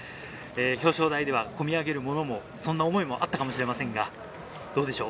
表彰台では込み上げるものも、そんな思いもあったかもしれませんが、どうでしょう。